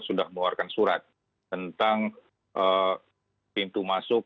sudah mengeluarkan surat tentang pintu masuk